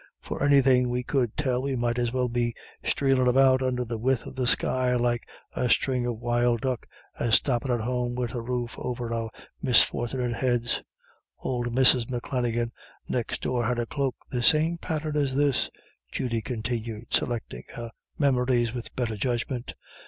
"For anythin' we could tell we might as well be streelin' about under the width of the sky like a string of wild duck, as stoppin' at home wid a roof over our misfort'nit heads. Ould Mrs. McClenaghan next door had a cloak the same pattern as this," Judy continued, selecting her memories with better judgment.